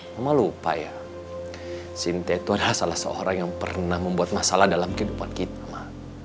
mama lupa ya sinte itu adalah salah seorang yang pernah membuat masalah dalam kehidupan kita